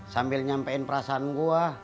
sambil nyampein perasaan gue